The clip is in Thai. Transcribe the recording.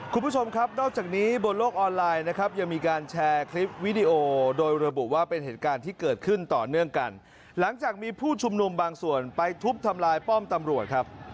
คุณผู้ชมครับนอกจากนี้บนโลกออนไลน์นะครับยังมีการแชร์คลิปวิดีโอโดยระบุว่าเป็นเหตุการณ์ที่เกิดขึ้นต่อเนื่องกันหลังจากมีผู้ชุมนุมบางส่วนไปทุบทำลายป้อมตำรวจครับ